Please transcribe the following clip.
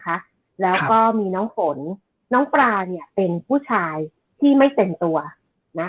คือเรื่องนี้มันเกิดมาประสบการณ์ของรุ่นน้องคนนี้มีคนที่เล่าให้พี่ฟังคือชื่อน้องปลานะคะ